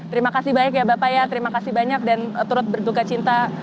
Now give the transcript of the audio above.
terima kasih banyak ya bapak ya terima kasih banyak dan turut berduka cinta